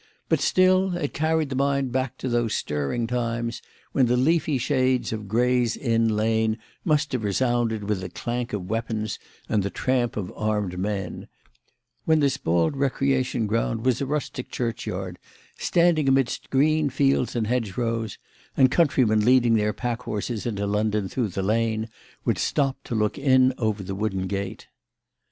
But still, it carried the mind back to those stirring times when the leafy shades of Gray's Inn Lane must have resounded with the clank of weapons and the tramp of armed men; when this bald recreation ground was a rustic churchyard, standing amidst green fields and hedgerows, and countrymen leading their pack horses into London through the Lane would stop to look in over the wooden gate.